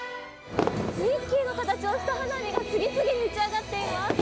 ミッキーの形をした花火が次々に打ち上がっています。